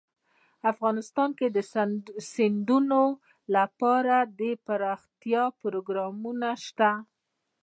افغانستان کې د سیندونه لپاره دپرمختیا پروګرامونه شته.